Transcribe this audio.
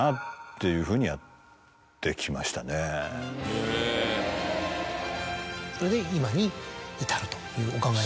・へぇ・それで今に至るというお考えなんですね。